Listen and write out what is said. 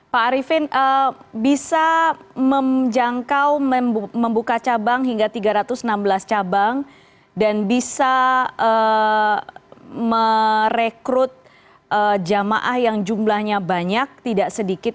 pak arifin bisa menjangkau membuka cabang hingga tiga ratus enam belas cabang dan bisa merekrut jemaah yang jumlahnya banyak tidak sedikit